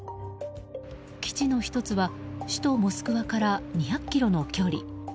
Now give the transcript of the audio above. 基地の１つは首都モスクワから２００ｋｍの距離。